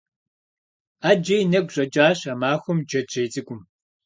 Ӏэджэ и нэгу щӀэкӀащ а махуэм джэджьей цӀыкӀум.